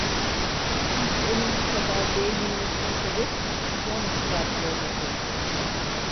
Çünkü onun bu kadar beğenilmesine sebep, yalnız katil olmasıydı.